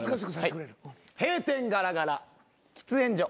閉店ガラガラ喫煙所。